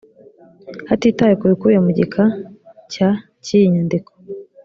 hatitawe ku bikubiye mu gika cya cy iyi nyandiko